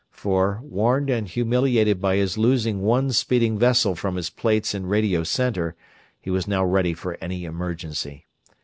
For, warned and humiliated by his losing one speeding vessel from his plates in Radio Center, he was now ready for any emergency.